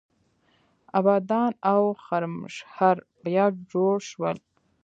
ابادان او خرمشهر بیا جوړ شول.